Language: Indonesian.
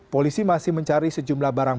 polisi masih mencari sejumlah barang